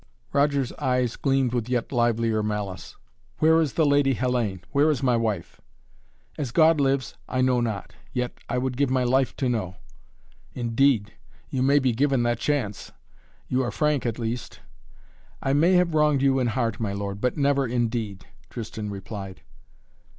Roger's eyes gleamed with yet livelier malice. "Where is the Lady Hellayne? Where is my wife?" "As God lives, I know not. Yet I would give my life, to know." "Indeed! You may be given that chance. You are frank at least " "I may have wronged you in heart, my lord, but never in deed " Tristan replied.